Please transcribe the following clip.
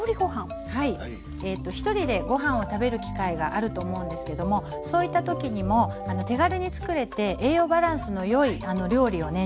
ひとりでごはんを食べる機会があると思うんですけどもそういった時にも手軽につくれて栄養バランスのよい料理をね